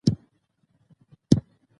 احمدزی قوم دي افغانستان يو با نفوسه قوم دی